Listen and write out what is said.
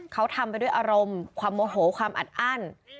เขาทำไปด้วยอารมณ์ความโมโหความอัดอั้น